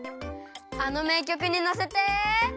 あのめいきょくにのせて。